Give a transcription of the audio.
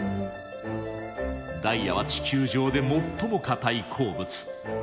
ダイヤは地球上で最も固い鉱物。